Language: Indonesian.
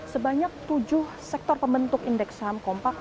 sebanyak tujuh sektor pembentuk indeks saham kompak